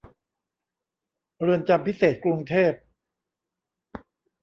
เรือนจำพิเศษกรุงเทพ